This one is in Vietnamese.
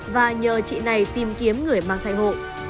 và nhờ chị này tìm kiếm người mang thai hộ